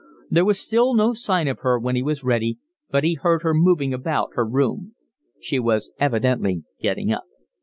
There was still no sign of her when he was ready, but he heard her moving about her room. She was evidently getting up.